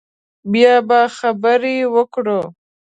بیا به خبرې وکړو